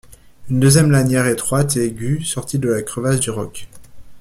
Une deuxième lanière, étroite et aiguë, sortit de la crevasse du roc.